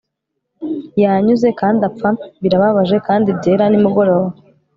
Yanyuze kandi apfa birababaje kandi byera nimugoroba